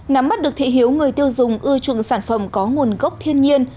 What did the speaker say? nắm mắt được thị hiếu người tiêu dùng ưu trụng sản phẩm có nguồn gốc thiên nhiên